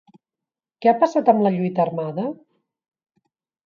Què ha passat amb la lluita armada?